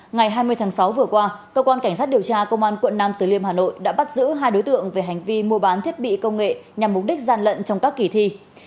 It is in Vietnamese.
ngày hai mươi tháng sáu vừa qua cơ quan cảnh sát điều tra công an quận nam từ liêm hà nội đã bắt giữ hai đối tượng về hành vi mua bán thiết bị công nghệ nhằm mục đích gian lận trong các kỳ thi